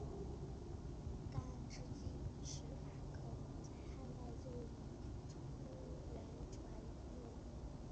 干支纪时法可能在汉代就已从中原传入傣族地区。